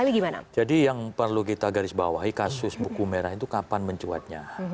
yang perlu kita garis bawahi kasus buku merah itu kapan mencuatnya